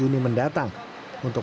untuk menangani penerangan